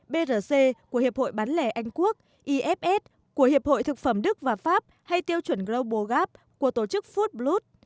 brc của hiệp hội bán lẻ anh quốc ifs của hiệp hội thực phẩm đức và pháp hay tiêu chuẩn global gap của tổ chức food bluet